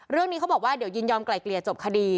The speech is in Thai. เรื่องนี้เขาบอกว่ายินยอมกลายเกลียดจบคดี